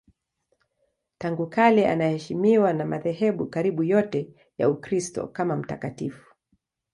Tangu kale anaheshimiwa na madhehebu karibu yote ya Ukristo kama mtakatifu.